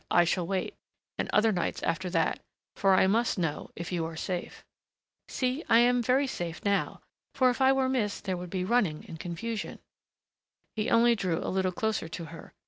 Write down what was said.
"I shall wait and other nights after that. For I must know if you are safe " "See, I am very safe now. For if I were missed there would be running and confusion " He only drew a little closer to her.